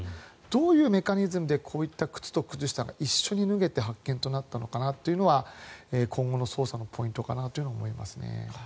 どういうメカニズムでこういった靴と靴下が一緒に脱げて発見となったのかというのは今後の捜査のポイントかなと思いますね。